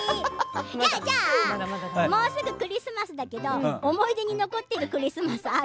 もうすぐクリスマスだけど思い出に残っているクリスマスはある？